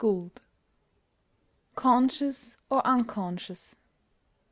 _ CONSCIOUS OR UNCONSCIOUS?